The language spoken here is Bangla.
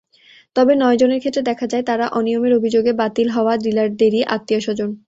তবে নয়জনের ক্ষেত্রে দেখা যায়, তাঁরা অনিয়মের অভিযোগে বাতিল হওয়া ডিলারদেরই আত্মীয়স্বজন।